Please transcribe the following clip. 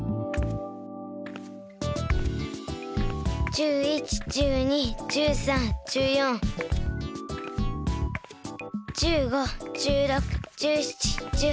１１１２１３１４１５１６１７１８。